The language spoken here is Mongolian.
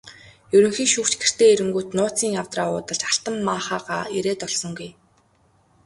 Ерөнхий шүүгч гэртээ ирэнгүүт нууцын авдраа уудалж алтан маахайгаа эрээд олсонгүй.